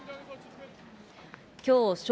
きょう正